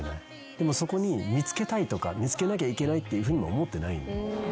でもそこに見つけたいとか見つけなきゃいけないっていうふうにも思ってないんですよ。